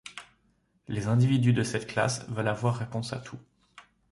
Les individus de cette classe veulent avoir réponse à tout.